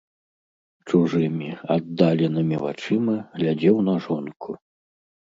Чужымі, аддаленымі вачыма глядзеў на жонку.